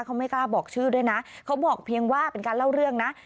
เขาไม่กล้าบอกชื่อด้วยนะเขาบอกเพียงว่าเป็นการเล่าเรื่องนะ